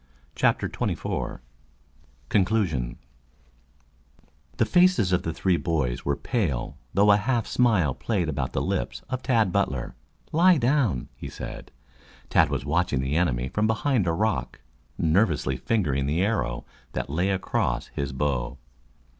CHAPTER XXIV CONCLUSION The faces of the three boys were pale, though a half smile played about the lips of Tad Butler. "Lie down!" he said. Tad was watching the enemy from behind a rock, nervously fingering the arrow that lay across his bow.